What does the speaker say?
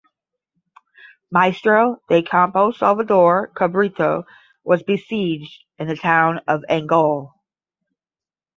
Maestre de campo Salvador Cabrito was besieged in the town of Angol.